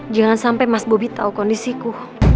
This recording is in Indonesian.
jangan sampai mas bobby tau kondisiku